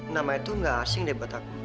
nama itu gak asing deh buat aku